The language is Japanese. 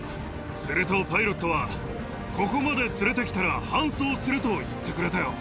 するとパイロットは、ここまで連れてきたら搬送すると言ってくれたよ。